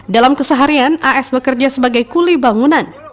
dalam keseharian as bekerja sebagai kuli bangunan